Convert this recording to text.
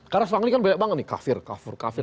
karena sekarang ini kan banyak banget nih kafir kafur kafur